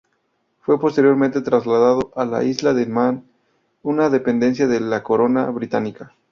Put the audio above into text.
Fue posteriormente trasladada a la Isla de Man, una dependencia de la Corona británica.